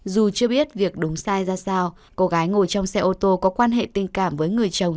dù chưa biết việc đúng sai ra sao cô gái ngồi trong xe ô tô có quan hệ tình cảm với người chồng